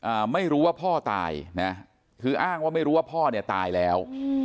อ่าไม่รู้ว่าพ่อตายนะคืออ้างว่าไม่รู้ว่าพ่อเนี่ยตายแล้วอืม